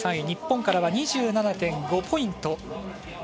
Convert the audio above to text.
日本からは２７．５ポイント。